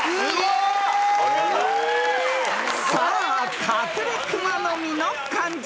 ［さあカクレクマノミの漢字